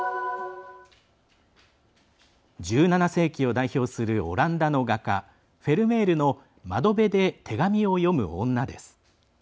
１７世紀を代表するオランダの画家・フェルメールの「窓辺で手紙を読む女」です。